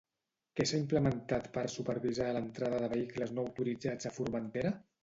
Què s'ha implementat per supervisar l'entrada de vehicles no autoritzats a Formentera?